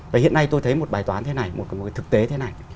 và hiện nay tôi thấy một bài toán thế này một cái thực tế thế này